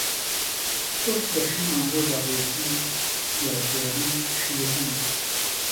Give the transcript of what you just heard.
تۆش تەشیمان بۆ دەڕێسی یادگاری شیرنە